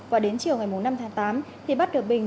và đến chiều ngày năm tháng tám thì bắt được bình